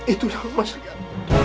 itu yang mas lihat